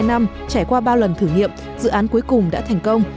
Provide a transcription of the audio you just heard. sau gần hai năm trải qua ba lần thử nghiệm dự án cuối cùng đã thành công